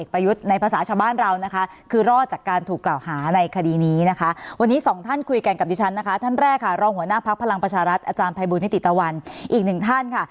พรออภัยบุณนิติตะวันอีกหนึ่งท่านค่ะ